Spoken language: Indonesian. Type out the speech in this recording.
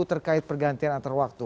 terkait pergantian antar waktu